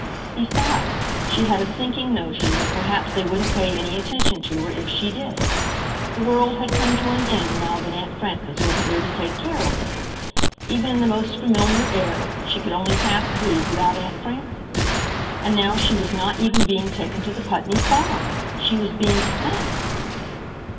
Besides, she had a sinking notion that perhaps they wouldn't pay any attention to her if she did. The world had come to an end now that Aunt Frances wasn't there to take care of her! Even in the most familiar air she could only half breathe without Aunt Frances! And now she was not even being taken to the Putney Farm! She was being sent!